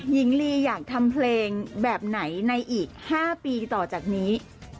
หญิงลีอยากทำเพลงแบบไหนในอีก๕ปีต่อจากนี้